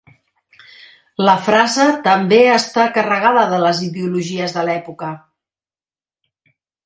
La frase també està carregada de les ideologies de l'època.